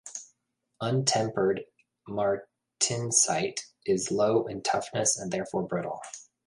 Untempered martensite is low in toughness and therefore brittle.